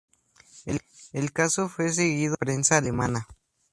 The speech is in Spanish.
El caso fue seguido por la prensa alemana.